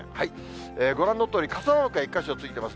ご覧のとおり、傘マークが１か所ついてます。